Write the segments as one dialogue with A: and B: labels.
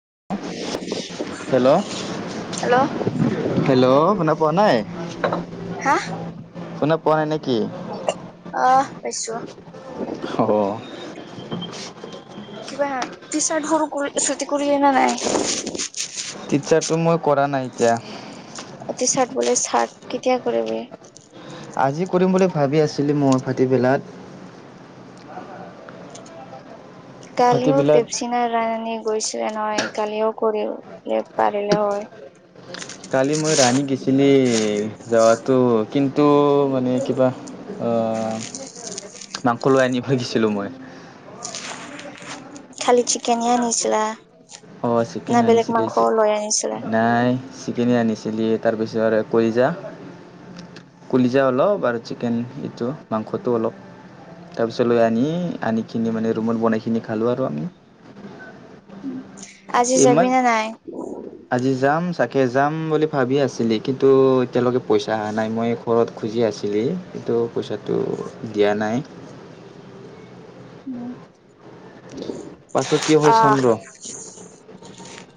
A: [unintelligible]
B: Hello,
A: hello
B: hello শুনা পোৱা নাই।
A: হা।
B: শুনা পোৱা নাই নেকি
A: অ'হ', পাইছো।
B: অ
A: [unintelligible] কিবা টি চাৰ্ট সৰু কৰি চুটি কৰি অনা নাই।
B: টিচাৰ্টো মই কৰা নাই এতিয়া।
A: অ' টিচাৰ্ট বোলে চাৰ্ট কেতিয়া কৰিবি।
B: আজি কৰিম বুলি ভাবি আছিলো মই ভাটিবেলাত।
A: কালিওঁ
B: ভাটিবেলাত
A: পেপচিনাৰ ৰানী গৈ। নহয় কালিও কৰিলে পাৰিলে হয়।
B: কালি মই ৰাণী গৈছিলি যাৱাতো কিন্তু মানে কিবা মাংসলৈ আনি ভাগিছিলোঁ মই।
A: খালি চিকেন আনিছিলা।
B: অ'
A: না
B: চিকেন
A: বেলেগ
B: আনিছিলিকেই
A: মাংস
B: চি
A: লৈ আনিছিলা
B: নাই। চিকেনি আনিছিলি তাৰপিছত কৰিজা। কলিজা অলপ আৰু চিকেন এইটো মাংসটো অলপ। তাৰ পিছত লৈ আনি, আনি কিনি মানে ৰুমত বনাইকিনি খালো আৰু আমি।
A: [unintelligible] আজি যাবি
B: ইমান!
A: নে নাই
B: আজি যাম চাকে যাম বুলি ভাবি আছিলি। কিন্তু এতিয়ালৈকে পইচা অহা নাই মই ঘৰত খুজি আছিলি কিন্তু পইচাটো দিয়া নাই। নাই।
A: উ'ম।
B: পাছত কি হয় চাম ৰ?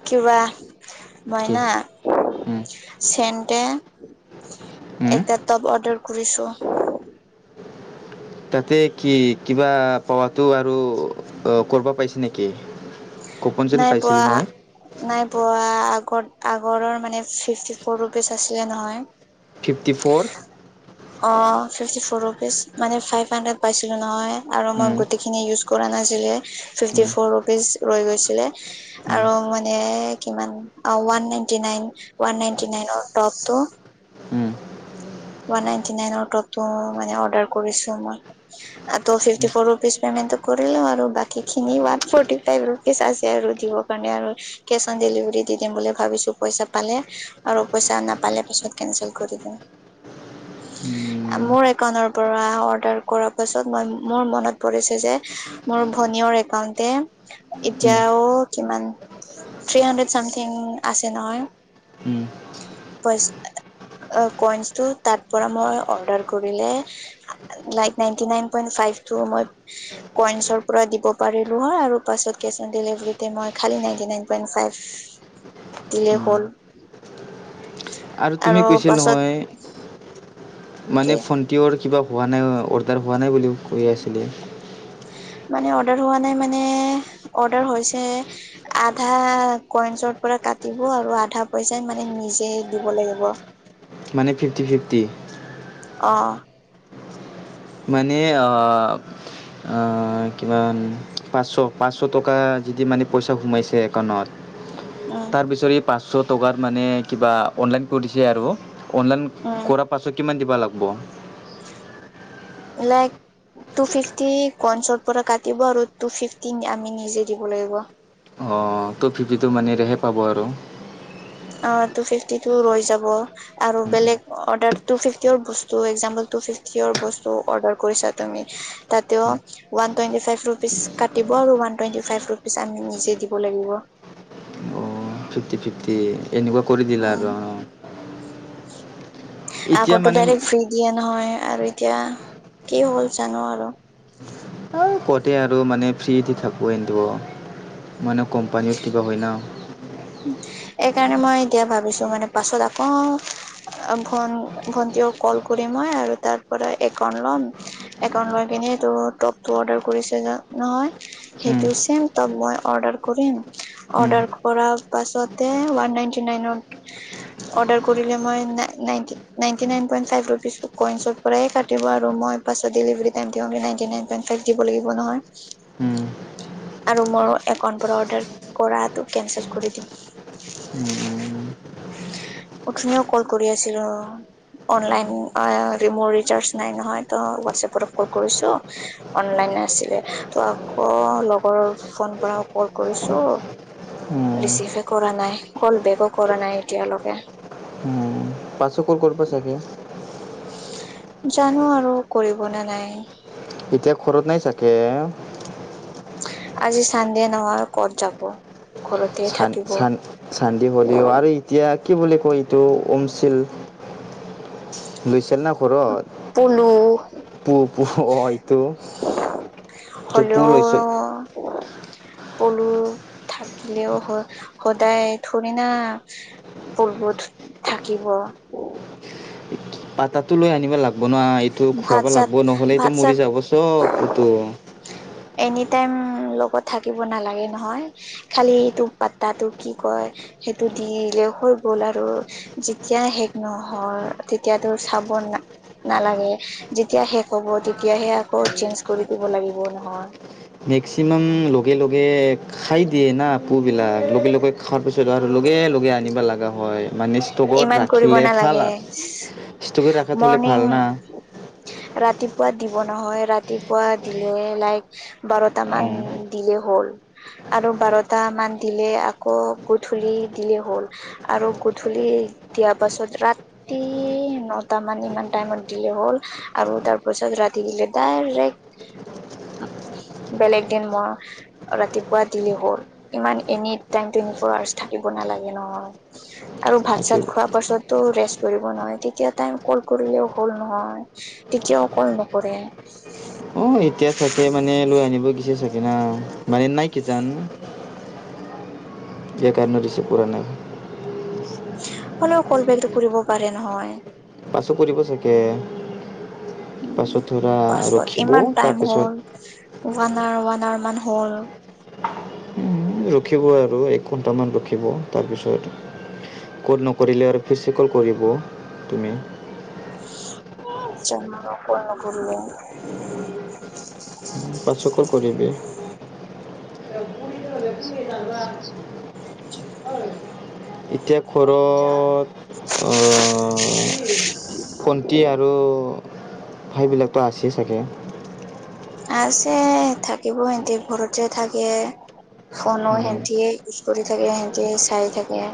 A: কিবা
B: কি
A: মইনা
B: উম,
A: চেণ্টে।
B: উম,
A: এটা তপ অৰ্ডাৰ কৰিছো।
B: তাতে কি কিবা পাৱো আৰু কৰিবা পাইছে নেকি? কুপন যেন
A: নাই
B: পাইছিলোঁ
A: পোৱা
B: নহয়
A: নাই পোৱা আগত আগৰৰ মানে ফিফটি ফৰ ৰুপিজ আছিলে নহয়।
B: Fifty four.
A: অ' ফিফ্টি ফ'ৰ ৰুপিজ মানে ফাইপ হাৰ্টৰেট পাইছিলো নহয় আৰু মই
B: উম,
A: গোটেই খিনি ইউচ কৰা নাছিলে ফিফটি
B: উম,
A: ফ'ৰ ৰুপিজ ৰৈ গৈছিলে
B: উম,
A: আৰু মানে কিমান? অ one ninety nine, one ninety নাইনৰ টপটো।
B: উম!
A: ওৱান নাইনটি নাইনৰ টপটো অ মানে অ অৰ্ডাৰ কৰিছো মই। ত্ও ফিফটিফৰ ৰোপিচ পেমেন্ট টো কৰিলো আৰু বাকীখিনি ওৱান ফৰটিটা ৰোপিচ আছে আৰু দিব কাৰণে আৰু কেচ অন ডেলি দিতে দি দিম বুলি ভাবিছো, পইচা পালে আৰু পইচা নাপালে পিছত কেনচেল কৰি দিম।
B: উম [inaudible]
A: মোৰ একাউণ্টৰ পৰা অৰ্ডাৰ কৰা পাছত মোৰ মনত পৰিছে যে মোৰ [unintelligible] একাউণ্টে
B: উম,
A: এতিয়াও কিমান থ্ৰী হাণ্ড্ৰেড চামথিং আছে নহয়।
B: উম।
A: [unintelligible] কইনচটো তাৰ পৰা মই অৰ্ডাৰ কৰিলে, লাইক নাইনটি নাইন পইন্ট ফাইভটো মই কইনছৰ পৰা দিব পাৰিলোঁ হয় আৰু পাছত কেছ অন ডেলিভাৰীতে মই খালি নাইট নাইন পইণ্ট ফাইভ দিলে হ'ল।
B: আৰু তুমি কৈছিলি নহয় মানে ভণ্টিৰো কিবা হোৱা নাই, অৰ্ডাৰ হোৱা নাই বুলি কৈ আছিলে [inaudible]
A: মানে অৰ্ডাৰ হোৱা নাই, মানে অৰ্ডাৰ হৈছে আধা কইনছত পৰা কাটিব আৰু আধা পইচা, মানে নিজে দিব লাগিব।
B: মানে ফিফটি-ফিফটি।
A: অঁ!
B: মানে অ-অ কিমান পাঁচশ-পাঁচশ টকা যদি মানে পইচা সোমাইছে একাউণ্টত
A: উম
B: তাৰপিছৰে পাঁচশ টকাত মানে কিবা অনলাইন কৰিছে আৰু অনলাইন
A: উম
B: কৰাৰ পাছত কিমান দিবা লাগিব?
A: লাইক [unintelligible] টুফিফটি ক‌ইনছৰ পৰা কাটিব আৰু টুফিফটি আমি নিজে দিব লাগিব।
B: অঁ ত' ফিফিটো মানিৰেহে পাব আৰু।
A: অঁ টুফিফটি ৰৈ যাব আৰু বেলেগ অৰ্ডাৰটো টুফিফটি বস্তু একজামপোল টুফিফটিৰ বস্তু অৰ্ডাৰ কৰিছা তুমি তাতেও ওৱান টুৱেন্টি ফাইভ ৰোপিচ কাটিব। আৰু ওৱান টুৱেণ্টি ফাইভ ৰুপিজ আমি নিজে দিব লাগিব।
B: ফিফটি-ফিফটি এনেকুৱা কৰি দিলা
A: উম
B: আৰু অ।
A: আগতো ডাইৰেক্ট ফ্ৰী দিয়ে নহয় আৰু এতিয়া কি হ'ল জানো আৰু।
B: [unintelligible] কতে আৰু মানে ফ্ৰী দি থাকো এটোৱ মানে কোম্পানীত কিবা হয় ন।
A: সেইকাৰণে মই এতিয়া ভাবিছোঁ মানে পাছত আকৌ ভন-ভণ্টীয়েও কল কৰি ম [unintelligible] তাৰ পৰাই একাউণ্ট লয়, একাউণ্ট লৈ পিনে তোৰ টপটো অৰ্ডাৰ কৰি চাম। [unintelligible] সেইটো চেইম টপ মই অৰ্ডাৰ কৰিম, অৰ্ডাৰ কৰা পাছতে ওৱান নাইনটি নাইনৰ অৰ্ডাৰ কৰিলে মই [unintelligible] নাইনটি নাইন পইণ্ট ফাইভ ৰুপিচটো কইনছৰ পৰাই কাটিব আৰু মই পাছত ডেলিভাৰী টাইম দিওঁতে নাইনটি নাইন পইণ্ট ফাইভ দিব লাগিব। নহয়।
B: উম!
A: আৰু মোৰ একাউণ্টৰ পৰা অৰ্ডাৰ কৰাটো কেনচেল
B: উম!
A: [unintelligible] উঠনিও কল কৰি আছিলোঁ অঁ। অনলাইন এ মোৰ ৰিচাৰ্জ নাই নহয় ত হোৱাটএপৰ পৰা কল কৰিছোঁ এ অনলাইন নাছিলে ত আকৌ লগৰৰ ফোনৰ পৰা কল কৰিছোঁ। ৰিচিভে কৰা নাই, কল বেকো কৰা নাই এতিয়ালৈকে।
B: পাছত ক'ল কৰিব চাগে?
A: জানো আৰু কৰিব নে নাই।
B: এতিয়া ঘৰত নাই চাগে।
A: আজি চান দে নহয় ক'ত যাব? ঘৰতে
B: চান
A: থাকিব
B: -চান -চানদে হ'লেও আৰু এতিয়া কি বুলি কয় এইটো? উমছিল, লৈছেনা ঘৰত?
A: পলু
B: পু পু--হয়টো
A: হলেও--অ পলু। থাকিলেও, স সদায় থুৰেণা পৰ্বত থাকিব? [unintelligible]
B: পাতাটো লৈ আনিব লাগব' বনোৱা, এইটো খোৱাব
A: ভাত চাত
B: লাগব', নহ'লে এইটো
A: ভাত
B: মৰি
A: চাত
B: যাব, চব্‌ বতু
A: এনিটাইম লগত থাকিব নালাগে নহয়, খালি ইটো পাতাটো কি কয়? হেহ-সেইটো দিলে হৈ গ'ল আৰু যেতিয়া শেষ নহয় তেতিয়াাটো চাব বন্‌না নালাগে যেতিয়া শেষ হ'ব তেতিয়াাহে আকৌ চেঞ্জ কৰি দিব লাগিব ন'।
B: মেক্সিমাম লগে লগে খাই দিয়ে না পু--বিলাক, লগে লগে খোৱাৰ পিছত আৰু লগে লগে আনিব লগা হ'য়। মানে, ষ্ট'কত
A: ইমান কৰিব
B: ৰাখিলে ভাল
A: নালাগে
B: আ ষ্ট'কে ৰাখা থ'লে ভাল
A: মৰ্ণিং
B: না।
A: ৰাতিপুৱা দিব নহয়, ৰাতিপুৱা দিলে লাইক বাৰট মান
B: অঁ
A: দিলে হল, আৰু বাৰটা মান দিলে আকৌ গুধূলি দিলে হ'ল আৰু গুধ ধূলি দিয়াৰ পাছত ৰাত ৰাতি--নটামান, ইমান টাইমত দিলে হ'ল আৰু তাৰ পাছত ৰাতি দিলে, ডাইৰেক্' বেলেগ দিন মই ৰাতিপুৱা দিলে হ'ল। ইমান এনি টাইম টেন-ফৰ আৱাৰ্চ থাকিব নালাগে নহয়। আৰু ভাত-
B: থাকিব
A: চাত খোৱাৰ পাছতটো ৰেষ্ট কৰিব নহয় তেতিয়া তাই কল কৰিলেও হ'ল নহয়। তেত কিয় কল নকৰে?
B: অঁ এতিয়া চাগে মানে লৈ আনিব দিছে চাগে না? মানে, নাই কি জান। সেই কাৰণে ৰিছিভ কৰা নাই।
A: হ'লেও কল বেলটো কৰিব পাৰে নহয়।
B: পাছত কৰিব চাগে? পাছত ধৰা
A: পাছত
B: ৰখিবও
A: ইমান টাইম হ'ল
B: তাৰপিছত
A: ওৱান আৱাৰ, ওৱান আৱাৰ মান হ'ল।
B: ৰখিব আৰু একঘণ্টা মান ৰখিব তাৰপিছত কল নকৰিলে আৰু ফিছি কল কৰিব তুমি।
A: ঔঁ যা, মই কল নকৰোৱে।
B: পাছত কল কৰিবি। এতিয়া ঘৰত অঁ--ভণ্টি আৰু ভাইবিলাকটো আছেই চাগে?
A: আছে, থাকিব হেতি ঘৰতে থাকে। ফনো হেঁতিয়ে ইউজ কৰি থাকে, হেঁতিয়ে চাই থাকে।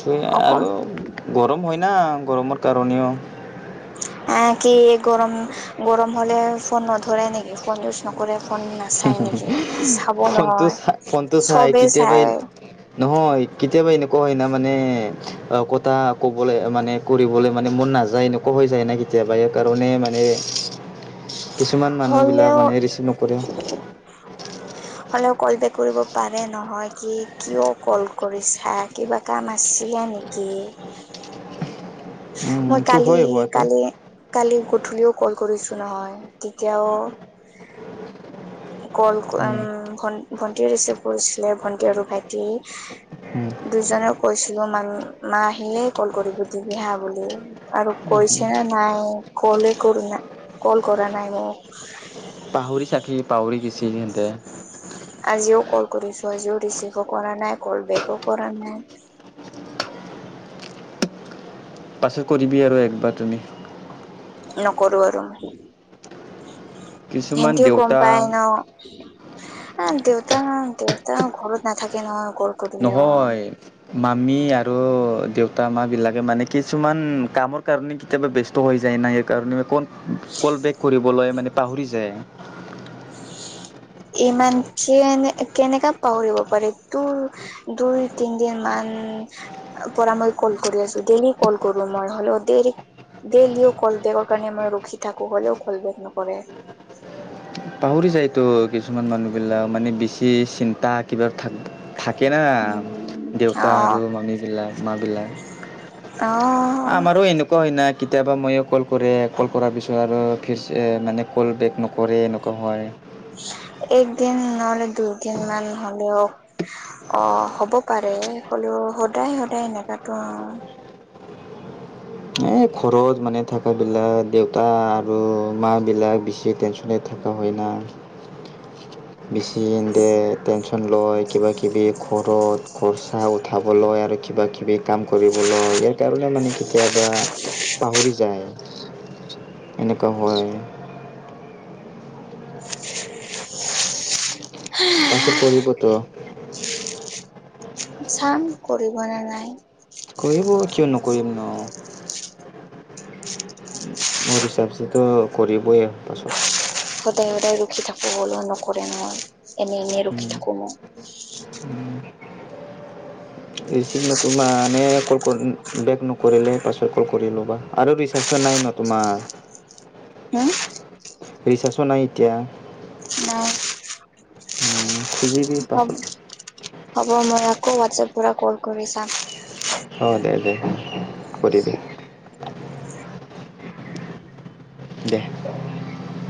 B: সেয়ে
A: অকম
B: আৰু গৰম হ'য় না, গৰমৰ কাৰণেও।
A: আঁ কি গৰম, গৰম হ'লেও ফোন নধৰে নেকি? ফোন ইউজ নকৰে? ফোন
B: হোঁ
A: নাচায়
B: হোঁ
A: নেকি? চাব
B: হোঁ-ফোনটো
A: নহয়
B: চা ফোনটো চাই
A: চবেই
B: কেতিয়াবা এ
A: চাই
B: নহয়, কেতিয়াবা এনেকুৱা হ'য় না মানে, অঁ কতা কবলে মানে, কৰিবলে মানে মন নাজায়, এনেকোৱা হৈ যায় না কেতিয়াবা এই কাৰণে মানে কিছুমান মানুহ বিলাক
A: হ'লেও
B: মানে ৰিচিভ নকৰে।
A: [unintelligible] হ'লেও, কল বেক কৰিব পাৰে নহয়। কি, কিয় কল কৰিছা? কিবা কাম আছিলে আনকি
B: উম
A: মই
B: তো
A: কালি,
B: হয় হোৱাটো
A: কালি, কালি গোট্ উঠুনিও কল কৰিছো নহ'য়, তেতিয়াও কল
B: উম
A: আঁম ভণ্টি ৰিচিভ কৰিছিলে, ভণ্টি আৰু ভাইটি
B: উম
A: দুইজনে কৈছিলো মাঁ, মাঁ আহিলেই কল কৰিবি দিবি হাঁ বুলি আৰু কৈছিল আ ন নাই কলে কৰো নাই, কল কৰা নাই মোক
B: পাহৰি চাকি পাহৰি গিচি সতে
A: আজিও কল কৰিছো, আজিও ৰিচিভো কৰা নাই, কল বেকো কৰা নাই,
B: পাছত কৰিবি আৰু একবাৰ তুমি
A: নকৰো আৰু
B: কিছুমান
A: সিহঁতিও গম
B: দেউতা
A: পায় ন! অঁ দেউতাঁ, দেউতাঁ ঘৰত নাথাকে নহয়? কল কৰিলেও
B: নহয় মামি আৰু দেউতাঁ মাঁ বিলাকে, মানে কিছুমান কামৰ কাৰণে কেতিয়াবা ব্যস্ত হৈ যায় না! সেই কাৰণে কল বেক কৰিবলৈ মানে পাহৰি যায়।
A: ইমান কেনে কেনেকা পাহৰিব পাৰে ত দুই, তিনদিন মান উম পৰা মই কল কৰি আছো। দেৰি কল কৰো মই হ'লেও দেৰি, ডেইলিও কল বেগৰ কাৰণে মই ৰখি থাকো। হলেওঁ, কল বেগ নকৰে।
B: পাহৰি যায়তো কিছুমান মানুহ বিলাক। মানে বেছি চিন্তা কিবা থাক, থাকে ন
A: উম অ
B: দেউতাঁ আৰু মামী বিলাক মা বিলাক
A: অ
B: আমাৰো এনেকুৱা হয় নাই কেতিয়াবা ময়ো কল কৰে। কল কৰাৰ পিছত আৰু ফ মানে কল বেক নকৰে,, হয়ৱ
A: একদিন নহলে দুই, দিন মান হ'লেওঁ অঁ হ'ব পাৰে হ'লেওঁ সদায় সদায় সেনেকাতো অঁ।
B: এই ঘৰত মানে থাকাবিলাক, দেউতাঁ আৰু মাবিলাক বেছি টেনচনে থাকে। হয়না।
A: [unintelligible]
B: বেচি দে টেনচন লয় কিবাকিবি ঘৰত খৰচা উঠাব লয় আৰু কিবা কিবি কাম কৰিবলৈ। ইয়াৰ কাৰণে মানে কেতিয়াবা পাহৰি যায়। এনেকুৱা হয়, পাছত কৰিব তো'
A: চাম কৰিব ন নাই,?
B: কৰিব কিয় নকৰিম ন। মোৰ হিচাপটোতো কৰিবই আৰু পাছত।
A: সদায় সদায় ৰখি থাকো হ'লেও নকৰে নহয়। এনে এনে ৰখি থাকো মই।
B: ৰিচিভ ন, মানে কল বেক নকৰিলে পাছৰ্ড কল কৰি ল'বা, আৰু ৰিচাৰ্চৰ নাই ন তোমাৰ
A: হা?
B: ৰিচাৰ্ছো নাই এতিয়া।
A: নাই।
B: খুজিবি পাছত।
A: হ'ব, মই আকৌ হোৱাটছএপ পৰা কল কৰি চাম।
B: অঁ, দে দে। সুধিবি। দে।